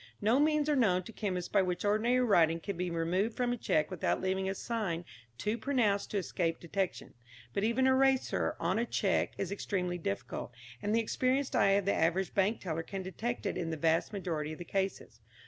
No means are known to chemists by which ordinary writing can be removed from a cheque without leaving a sign too pronounced to escape detection. But even erasure on a cheque is extremely difficult, and the experienced eye of the average bank teller can detect it in the vast majority of cases.